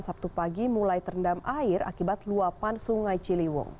sabtu pagi mulai terendam air akibat luapan sungai ciliwung